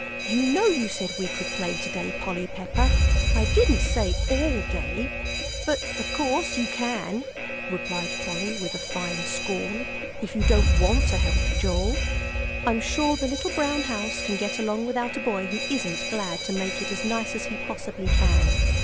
You know you said we could play to day, Polly Pepper!" "I didn't say all day; but of course you can," replied Polly, with a fine scorn, "if you don't want to help, Joel. I'm sure the little brown house can get along without a boy who isn't glad to make it as nice as he possibly can."